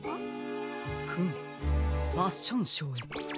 フムファッションショーへ。